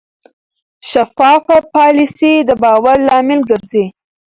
شفاف پالیسي د باور لامل ګرځي.